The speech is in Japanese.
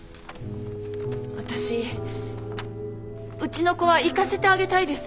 私うちの子は行かせてあげたいです。